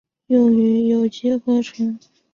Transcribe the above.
用于有机合成。